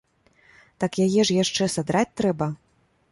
Так яе ж яшчэ садраць трэба.